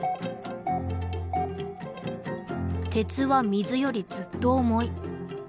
鉄は水よりずっと重い。